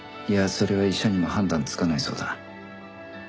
いやそれは医者にも判断つかないそうだ。